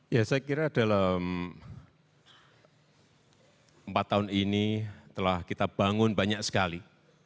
ya saya kira dalam empat tahun ini telah kita bangun banyak sekali